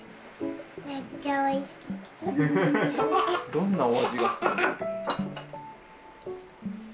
どんなお味がするの？